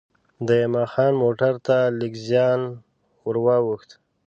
د یما خان موټر ته لږ زیان وا ووښت.